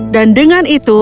dan dengan itu